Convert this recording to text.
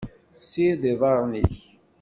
Ssired iḍarren-ik.